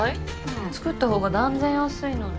作った方が断然安いのに。